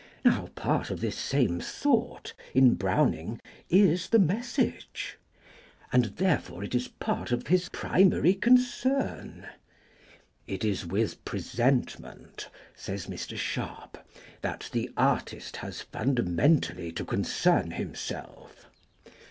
Now part of this same "thought" in Browning is the message. And therefore it is part of his "primary concern". "It is with presentment," says Mr. Sharp, "that the artist has fundamentally to concern himself."